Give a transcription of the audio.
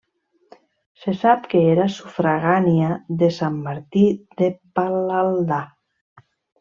Se sap que era sufragània de Sant Martí de Palaldà.